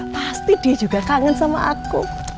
pasti dia juga kangen sama aku